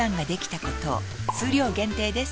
数量限定です